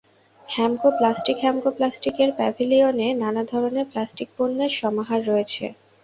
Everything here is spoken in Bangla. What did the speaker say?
হ্যামকো প্লাস্টিক হ্যামকো প্লাস্টিকের প্যাভিলিয়নে নানা ধরনের প্লাস্টিক পণ্যের সমাহার রয়েছে।